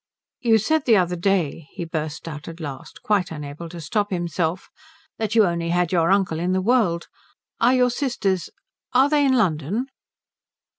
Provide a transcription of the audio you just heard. "You said the other day," he burst out at last, quite unable to stop himself, "that you only had your uncle in the world. Are your sisters are they in London?"